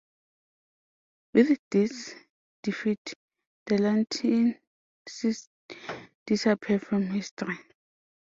With this defeat, the Lentienses disappear from history.